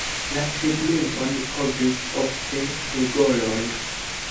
La tegmenton kovris ofte tegoloj.